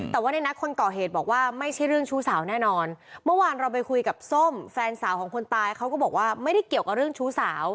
แต่ว่าในนัดคนก่อเหตุบอกว่าไม่ใช่เรื่องชู้สาวแน่นอนเมื่อวานเราไปคุยกับส้มแฟนสาวของคนตายเขาก็บอกว่าไม่ได้เกี่ยวกับเรื่องชู้สาว